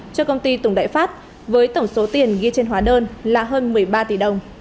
cho công ty tùng đại phát với tổng số tiền ghi trên hóa đơn là hơn một mươi ba tỷ đồng